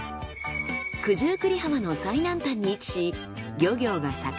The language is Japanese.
九十九里浜の最南端に位置し。